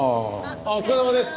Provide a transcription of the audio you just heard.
あっお疲れさまです。